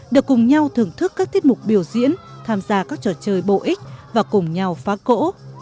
được cùng nhau thưởng thức các tiết mục biểu diễn tham gia các trò chơi bổ ích và cùng nhau phá cỗ